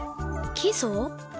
きそ？